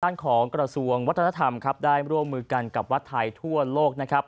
ต้านของกระทรวงวัฒนธรรมได้ร่วมมือกันกับวัฒนธรรมทั่วโลก